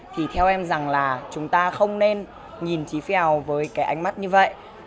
thì theo em rằng là chúng ta không nên nhìn trí phèo với cái ánh mắt như vậy